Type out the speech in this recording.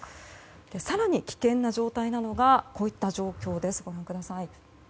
更に、危険な状態なのがこういった状況です。